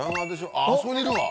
ああそこにいるわ！